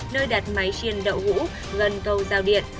nơi đặt máy chiên đậu hũ gần câu giao điện